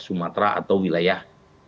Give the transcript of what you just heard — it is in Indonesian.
sumatera atau wilayah